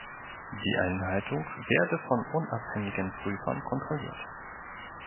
Die Einhaltung werde von unabhängigen Prüfern kontrolliert.